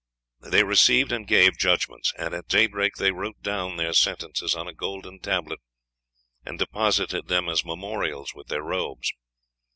They received and gave judgments, and at daybreak they wrote down their sentences on a golden tablet, and deposited them as memorials with their robes.